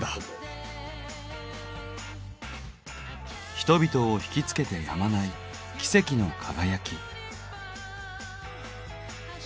人々をひきつけてやまない奇跡の輝き。